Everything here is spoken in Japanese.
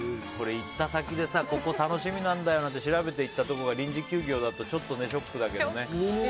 行った先でここ楽しみなんだよとか言って調べて行ったところが臨時休業だとちょっとショックだけどね。